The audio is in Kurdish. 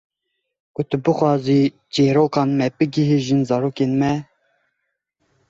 Ku tu bixwazî çêrokên me bigihîjin zarokên me.